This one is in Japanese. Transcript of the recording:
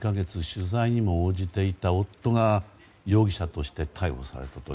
取材にも応じていた夫が容疑者として逮捕されたと。